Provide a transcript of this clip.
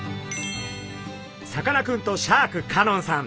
さかなクンとシャーク香音さん